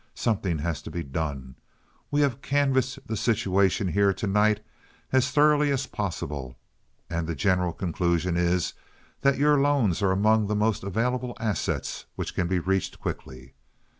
Something has to be done. We have canvassed the situation here to night as thoroughly as possible, and the general conclusion is that your loans are among the most available assets which can be reached quickly.